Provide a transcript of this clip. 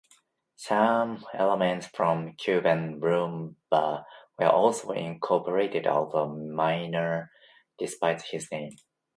Some elements from Cuban rumba were also incorporated, although minor, despite the name.